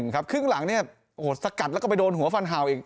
คลึ่งหลังมายิงฝนภัณภ์